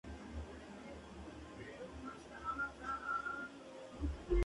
Ha asistido al Teatro Lee Strasberg y al Instituto de Cine en Los Ángeles.